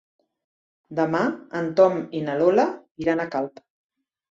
Demà en Tom i na Lola iran a Calp.